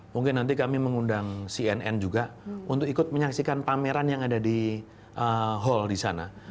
mungkin nanti kami mengundang cnn juga untuk ikut menyaksikan pameran yang ada di hall di sana